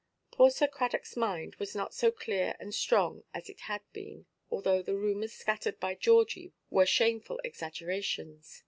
Poor Sir Cradockʼs mind was not so clear and strong as it had been, although the rumours scattered by Georgie were shameful exaggerations.